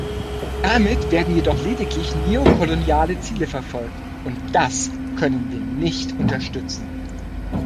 Damit werden jedoch lediglich neokoloniale Ziele verfolgt, und das können wir nicht unterstützen!